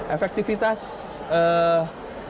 efektivitas sebagai sebuah perjalanan